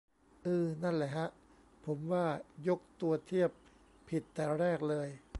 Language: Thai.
อือ นั่นแหละฮะ ผมว่ายกตัวเทียบผิดแต่แรกเลย